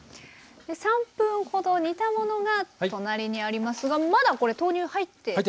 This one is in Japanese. で３分ほど煮たものが隣にありますがまだこれ豆乳入って？